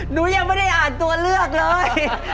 หนูยังไม่ได้อ่านตัวเลือกเลย